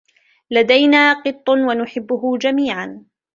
لدينا قط و نحبه جميعا.